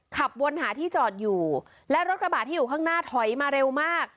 ขับวนหาที่จอดอยู่และรถกระบาดที่อยู่ข้างหน้าถอยมาเร็วมาก